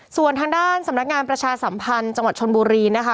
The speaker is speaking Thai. ส่วนทางด้านสำนักงานประชาสัมพันธ์จังหวัดชนบุรีนะคะ